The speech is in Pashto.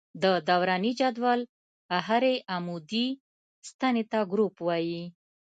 د دوراني جدول هرې عمودي ستنې ته ګروپ وايي.